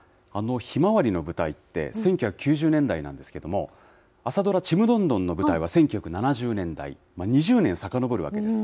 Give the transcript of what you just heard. ひまわりの舞台って、１９９０年代なんですけれども、朝ドラ、ちむどんどんの舞台は１９７０年代、２０年さかのぼるわけです。